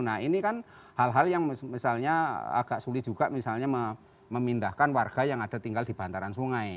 nah ini kan hal hal yang misalnya agak sulit juga misalnya memindahkan warga yang ada tinggal di bantaran sungai